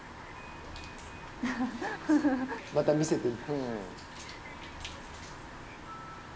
また見せてる。